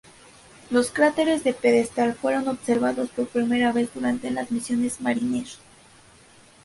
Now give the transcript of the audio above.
Los cráteres de pedestal fueron observados por primera vez durante las misiones Mariner.